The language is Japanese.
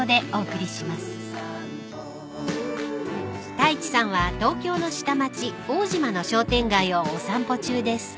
［太一さんは東京の下町大島の商店街をお散歩中です］